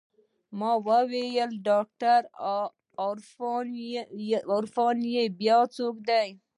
ما وويل ډاکتر عرفان يې بيا څوک دى.